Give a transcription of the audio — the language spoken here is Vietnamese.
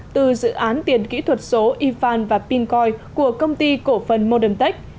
từ dự án tiền kỹ thuật số ivan và pincoin của công ty cổ phần modern tech